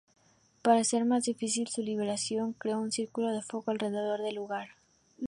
Para hacer más difícil su liberación, creó un círculo de fuego alrededor del lugar.